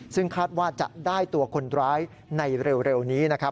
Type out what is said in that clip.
ซึ่งคาดว่าจะได้ตัวคนร้ายในเร็วนี้นะครับ